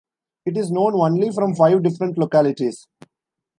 It is known only from five different localities.